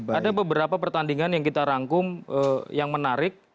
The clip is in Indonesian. ada beberapa pertandingan yang kita rangkum yang menarik